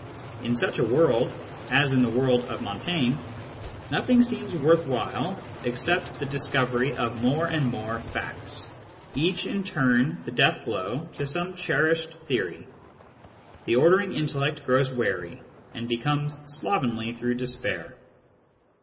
In such a world, as in the world of Montaigne, nothing seems worth while except the dis covery of more and more facts, each in turn the death blow to some cherished theory ; the ordering intellect grows weary, and becomes slovenly through despair.